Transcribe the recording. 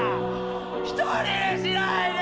１人にしないで。